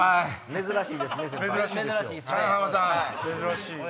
珍しいですね。